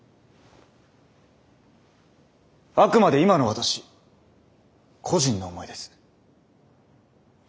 あくまで今の私個人の思いです。